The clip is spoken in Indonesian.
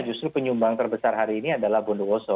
justru penyumbang terbesar hari ini adalah bondowoso